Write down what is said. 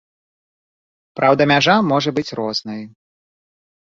Праўда, мяжа можа быць рознай.